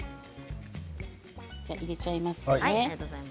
じゃあ入れちゃいますね。